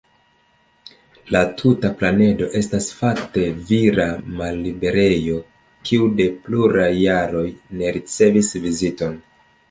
La tuta planedo estas fakte vira malliberejo kiu de pluraj jaroj ne ricevis viziton.